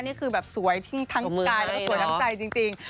นี่คือแบบสวยทิ้งทั้งกายแล้วก็สวยทั้งใจจริง